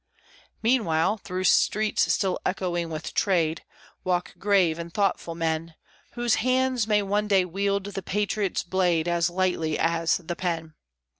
Meanwhile, through streets still echoing with trade, Walk grave and thoughtful men, Whose hands may one day wield the patriot's blade As lightly as the pen.